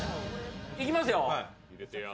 いきますよ！